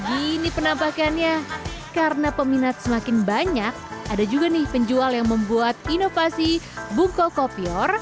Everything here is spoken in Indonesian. ini penampakannya karena peminat semakin banyak ada juga nih penjual yang membuat inovasi bungko kopior